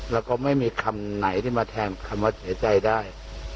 แล้วก็ไม่มีคำไหนที่มาแทนคำว่าเสียใจได้